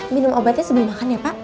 minum obatnya sebelum makan ya pak